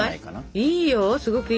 いいよすごくいい！